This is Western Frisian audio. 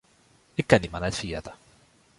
Ik kin dy mar net ferjitte.